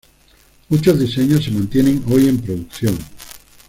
Muchos diseños se mantienen hoy en producción.